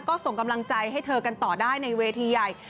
ก็ส่งกำลังใจให้เธอกันต่อได้ในเวทีใหญ่